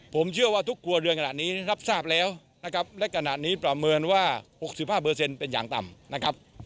ผมเชื่อว่าทุกครัวเรือนขนาดนี้รับทราบแล้วนะครับและขณะนี้ประเมินว่า๖๕เป็นอย่างต่ำนะครับ